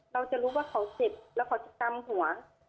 เราจะรู้ว่าเขาเจ็บแล้วเขาจะกำหัว